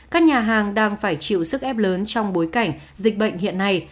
các nhà hàng đang phải chịu sức ép lớn trong bối cảnh dịch bệnh hiện nay